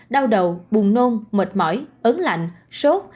đau đầu buồn nôn mệt mỏi ấn lạnh sốt